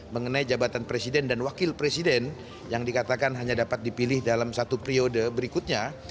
mengenai jabatan presiden dan wakil presiden yang dikatakan hanya dapat dipilih dalam satu periode berikutnya